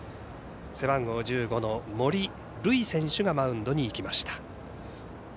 背番号１５の森塁選手がマウンドに行きました。